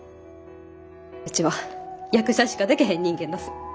うちは役者しかでけへん人間だす。